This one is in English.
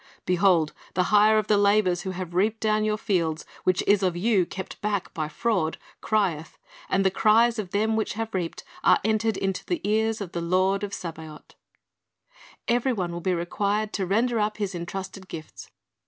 "Behold, the hire of the laborers who have reaped down your fields, which is of you kept back by fraud, crieth: and the cries of them which have reaped are entered into the ears of the Lord of Sabaoth."' Every one will be required to render up his entrusted gifts.